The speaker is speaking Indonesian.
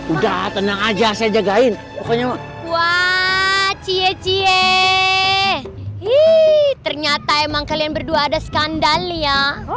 udah tenang aja saya jagain pokoknya wah cie cihe ternyata emang kalian berdua ada skandal ya